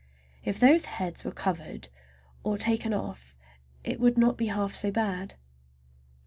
If those heads were covered or taken off it would not be half so bad.